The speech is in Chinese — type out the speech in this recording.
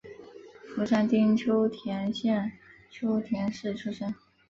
福山町秋田县秋田市出生。